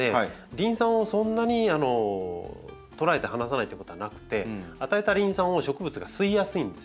リン酸をそんなにとらえて離さないってことはなくて与えたリン酸を植物が吸いやすいんですよ。